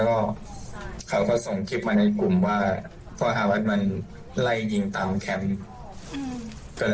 ก็เขาก็ส่งคลิปมาในกลุ่มว่าพ่อฮาวัดมันไล่ยิงตามแคมป์